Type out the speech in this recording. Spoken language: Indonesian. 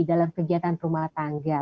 dalam kegiatan rumah tangga